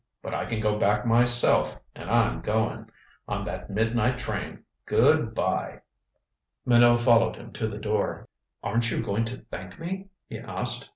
"But I can go back myself, and I'm going on that midnight train. Good by." Minot followed him to the door. "Aren't you going to thank me?" he asked.